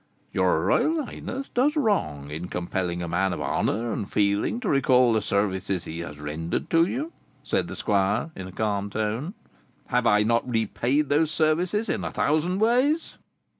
"Your royal highness does wrong in compelling a man of honour and feeling to recall the services he has rendered to you," said the squire, in a calm tone. "Have I not repaid those services in a thousand ways?"